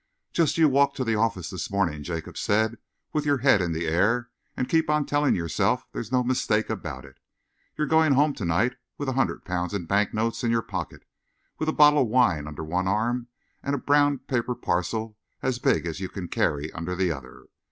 "Just you walk to the office this morning," Jacob said, "with your head in the air, and keep on telling yourself there's no mistake about it. You're going home to night with a hundred pounds in bank notes in your pocket, with a bottle of wine under one arm, and a brown paper parcel as big as you can carry under the other.